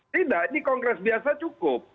tidak ini kongres biasa cukup